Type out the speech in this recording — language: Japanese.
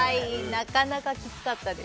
なかなかきつかったです。